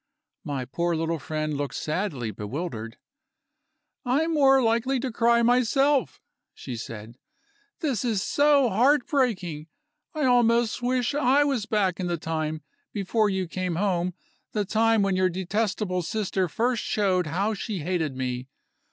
My poor little friend looked sadly bewildered. "I'm more likely to cry myself," she said. "This is so heart breaking I almost wish I was back in the time, before you came home, the time when your detestable sister first showed how she hated me.